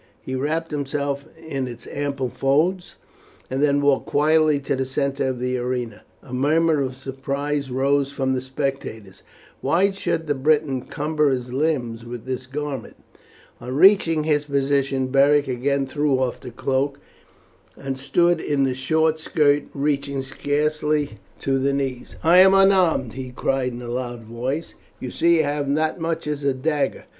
He wrapped himself in its ample folds, and then walked quietly back to the centre of the arena. A murmur of surprise rose from the spectators. Why should the Briton cumber his limbs with this garment? On reaching his position Beric again threw off the cloak, and stood in the short skirt reaching scarce to the knees. "I am unarmed," he cried in a loud voice. "You see I have not as much as a dagger."